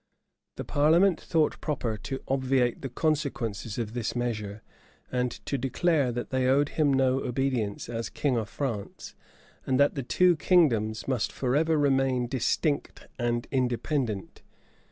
The parliament thought proper to obviate the consequences of this measure, and to declare that they owed him no obedience as king of France, and that the two kingdoms must forever remain distinct and independent.